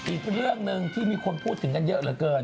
อีกเรื่องหนึ่งที่มีคนพูดถึงกันเยอะเหลือเกิน